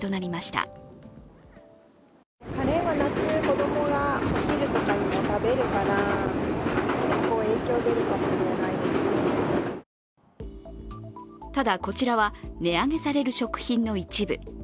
ただ、こちらは値上げされる食品の一部。